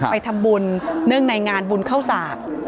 ไปทำบุญเนื่องในงานบุญเข้าสาก